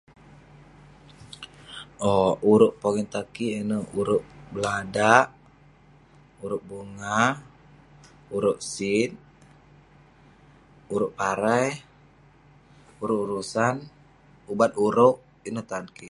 Auk, urouk pogeng tan kik ineh urouk beladak, urouk bunga, urouk sit, urouk parai, urouk- urouk usan, ubat urouk. Ineh tan kik.